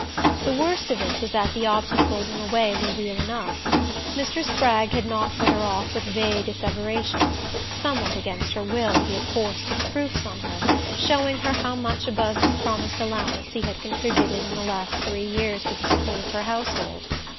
The worst of it was that the obstacles in the way were real enough. Mr. Spragg had not put her off with vague asseverations somewhat against her will he had forced his proofs on her, showing her how much above his promised allowance he had contributed in the last three years to the support of her household.